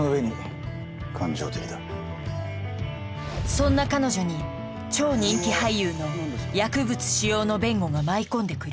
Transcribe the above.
そんな彼女に超人気俳優の薬物使用の弁護が舞い込んでくる。